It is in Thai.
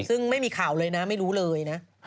ซึ่งไม่มีข่าวเลยนะไม่รู้เลยนะ